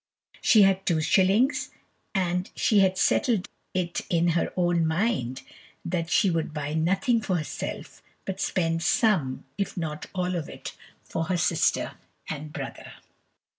She had two shillings, and she had settled it in her own mind that she would buy nothing for herself, but spend some, if not all of it, for her sister and brother.